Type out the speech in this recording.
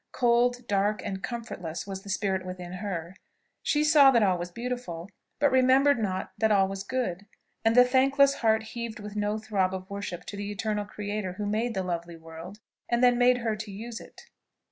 Cold, dark, and comfortless was the spirit within her; she saw that all was beautiful, but remembered not that all was good, and the thankless heart heaved with no throb of worship to the eternal Creator who made the lovely world, and then made her to use it.